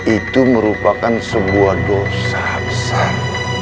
itu merupakan sebuah dosa besar